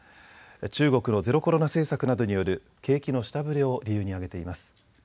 中国のゼロコロナ政策などによる景気の下振れを理由に挙げています。